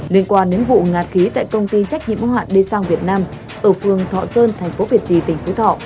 liên quan đến vụ ngạt khí tại công ty trách nhiệm hóa đê sang việt nam ở phường thọ sơn thành phố việt trì tỉnh phú thọ